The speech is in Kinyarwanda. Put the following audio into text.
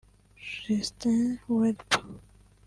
Justin Welby